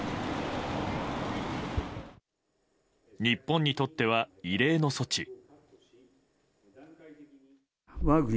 日本にとっては異例の措置。